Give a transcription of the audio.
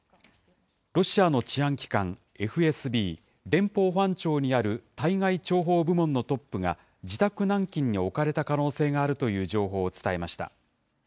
ロシアの治安機関、ＦＳＢ・連邦保安庁の対外諜報部門のトップが、自宅軟禁に置かれた可能性があるという情報を伝えました。